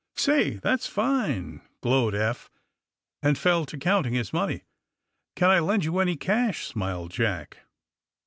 '' Say, that's fine," glowed Eph, and fell to counting his money. "Can I lend you any cash?" smiled Jack.